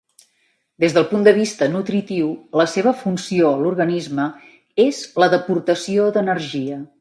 Des del punt de vista nutritiu, la seva funció a l'organisme és la d'aportació d'energia.